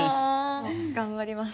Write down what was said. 頑張ります。